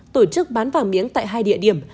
tổ chức bán vàng miếng tại hai địa điểm